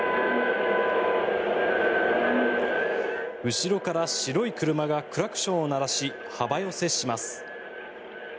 後ろから白い車がクラクションを鳴らし幅寄せします。